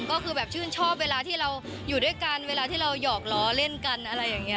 ก็คือแบบชื่นชอบเวลาที่เราอยู่ด้วยกันเวลาที่เราหยอกล้อเล่นกันอะไรอย่างนี้